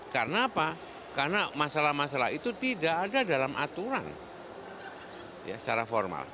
karena apa karena masalah masalah itu tidak ada dalam aturan secara formal